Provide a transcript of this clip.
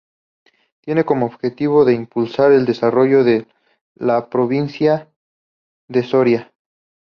Tiene como objetivo de impulsar el desarrollo de la provincia de Soria.